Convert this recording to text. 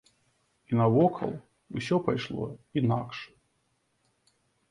І навокал усё пайшло інакш.